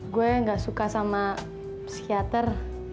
gue gak suka sama psikiater